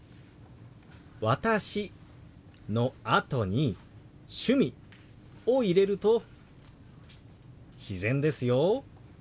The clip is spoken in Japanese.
「私」のあとに「趣味」を入れると自然ですよ。